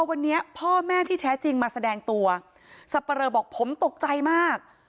วันนี้พ่อแม่ที่แท้จริงมาแสดงตัวสับปะเลอบอกผมตกใจมาก